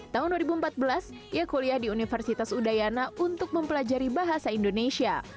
tahun dua ribu empat belas ia kuliah di universitas udayana untuk mempelajari bahasa indonesia